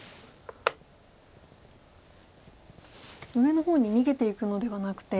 上の方に逃げていくのではなくて。